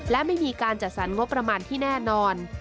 และไม่มีการจัดสรรงบประมาณที่แน่นอน